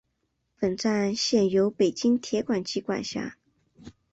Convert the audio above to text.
本站现由北京铁路局管辖。